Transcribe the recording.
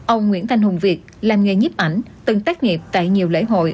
ông nguyễn thanh hùng việt làm nghề nhiếp ảnh từng tác nghiệp tại nhiều lễ hội